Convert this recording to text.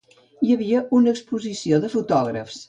Hi havia una exposició de fotògrafs.